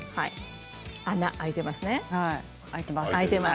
穴が開いていますね。